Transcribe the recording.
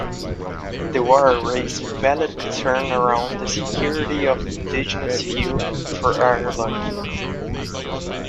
The war raised a valid concern around the security of indigenous fuel for Ireland.